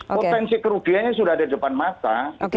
potensi kerugiannya sudah ada di depan mata